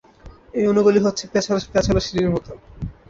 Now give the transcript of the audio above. এই অণুগুলি হচ্ছে প্যাচাল সিঁড়ির মতো।